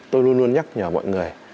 tôi luôn luôn nhắc nhờ mọi người